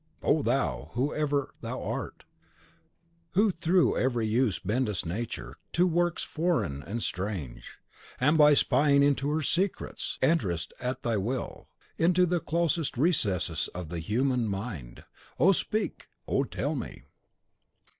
(O thou, whoever thou art, who through every use bendest Nature to works foreign and strange; and by spying into her secrets, enterest at thy will into the closest recesses of the human mind, O speak! O tell me!)